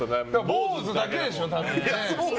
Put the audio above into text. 坊主だけでしょ、多分。